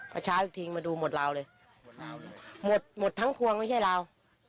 พอเช้าอีกทีมาดูหมดราวเลยหมดทั้งควงไม่ใช่ราว